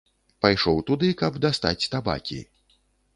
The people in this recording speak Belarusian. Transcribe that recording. Пайшоў туды, каб дастаць табакі.